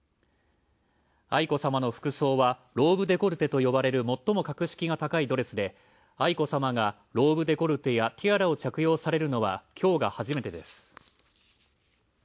愛子さまの服装はローブ・デコルテと呼ばれる最も格式が高いドレスで、愛子さまがローブ・デコルテやティアラを着用されるのは今日が初めてです。